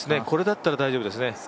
これだったら大丈夫ですね。